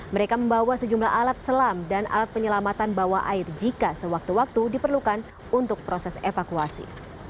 mereka membawa sejumlah alat selam dan alat penyelamatan bawah air jika sewaktu waktu diperlukan untuk proses evakuasi